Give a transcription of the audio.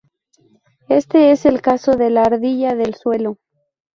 Este es el caso de la ardilla del suelo.